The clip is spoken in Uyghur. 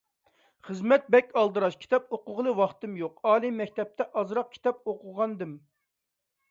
خىزمەت بەك ئالدىراش، كىتاب ئوقۇغىلى ۋاقتىم يوق، ئالىي مەكتەپتە ئازراق كىتاب ئوقۇغانىدىم.